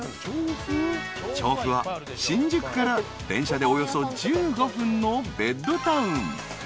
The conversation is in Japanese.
［調布は新宿から電車でおよそ１５分のベッドタウン］